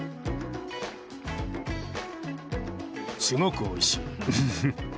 すごくおいしい。